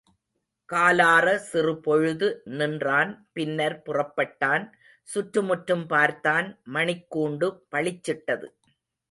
காலாற சிறுபொழுது நின்றான் பின்னர் புறப்பட்டான் சுற்றுமுற்றும் பார்த்தான் மணிக்கூண்டு பளிச்சிட்டது.